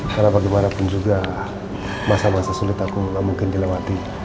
karena bagaimanapun juga masa masa sulit aku nggak mungkin dilewati